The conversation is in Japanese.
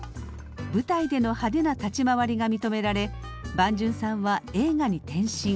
舞台での派手な立ち回りが認められ伴淳さんは映画に転身。